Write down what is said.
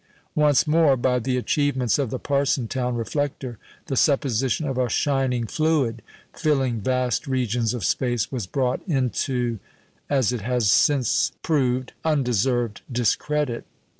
Once more, by the achievements of the Parsonstown reflector, the supposition of a "shining fluid" filling vast regions of space was brought into (as it has since proved) undeserved discredit.